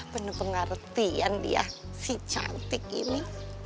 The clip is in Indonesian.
penuh pengertian dia si cantik ini